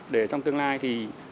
để trong tương lai thì